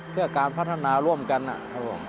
เพื่อการพัฒนาร่วมกัน